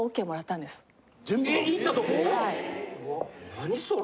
何それ。